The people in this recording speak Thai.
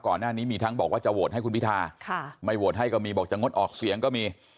ก่อนหน้านี้มีทั้งบอกว่าจะโหวตให้คุณพิทาไม่โหวตให้ก็มีบอกจะงดออกเสียงก็มี